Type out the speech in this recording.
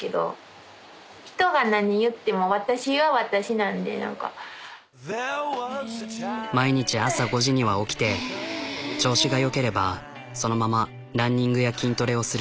なんか毎日朝５時には起きて調子がよければそのままランニングや筋トレをする。